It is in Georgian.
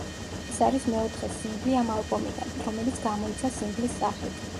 ეს არის მეოთხე სინგლი ამ ალბომიდან, რომელიც გამოიცა სინგლის სახით.